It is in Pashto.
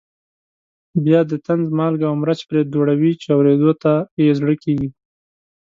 بیا د طنز مالګه او مرچ پرې دوړوي چې اورېدو ته یې زړه کېږي.